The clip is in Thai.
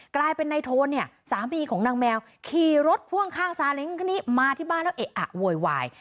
กลายเป็นในโทนเนี่ยสามีของนางแมวขี่รถพ่วงข้างซาเล้งคันนี้มาที่บ้านแล้วเอะอะโวยวาย